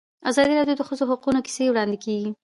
ازادي راډیو د د ښځو حقونه کیسې وړاندې کړي.